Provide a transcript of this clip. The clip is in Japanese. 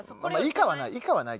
以下はない。